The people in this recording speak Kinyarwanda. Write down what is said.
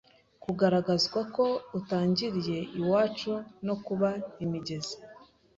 kugaragazwa ko utangiriye iwacu no kuba imigezi